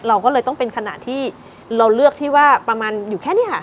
เราก็เลยต้องเป็นขณะที่เราเลือกที่ว่าประมาณอยู่แค่นี้ค่ะ